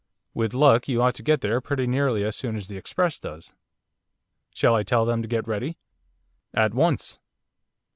With luck you ought to get there pretty nearly as soon as the express does. Shall I tell them to get ready?' 'At once.